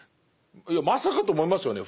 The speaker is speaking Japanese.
いやまさかと思いますよね。